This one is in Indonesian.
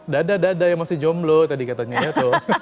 dada dada yang masih jomblo tadi katanya ya tuh